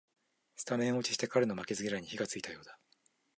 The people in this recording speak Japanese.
スタメン落ちして彼の負けず嫌いに火がついたようだ